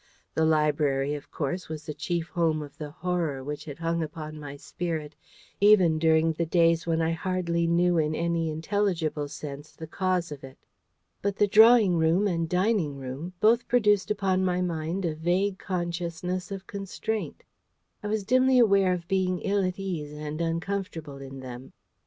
The library, of course, was the chief home of the Horror which had hung upon my spirit even during the days when I hardly knew in any intelligible sense the cause of it. But the drawing room and dining room both produced upon my mind a vague consciousness of constraint. I was dimly aware of being ill at ease and uncomfortable in them.